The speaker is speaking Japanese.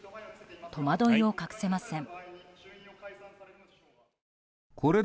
戸惑いを隠せません。